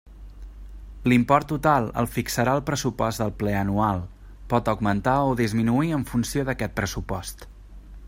L'import total el fixarà el pressupost del ple anual, pot augmentar o disminuir en funció d'aquest pressupost.